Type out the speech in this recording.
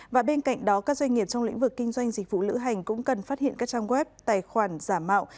và bên cạnh đó các doanh nghiệp trong lĩnh vực kinh doanh dịch vụ lữ hành cũng cần phát hiện các trang web tài khoản giả mạo